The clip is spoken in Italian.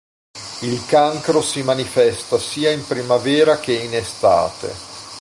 Il cancro si manifesta sia in primavera che in estate.